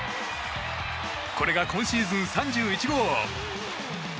これが今シーズン３１号。